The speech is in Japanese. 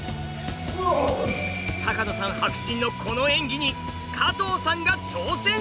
多加野さん迫真のこの演技に加藤さんが挑戦します！